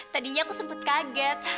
tadinya aku sempet kaget